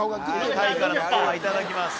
タイからパワーいただきます